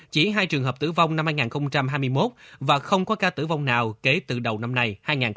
chỉ hai trường hợp tử vong năm hai nghìn hai mươi một và không có ca tử vong nào kể từ đầu năm nay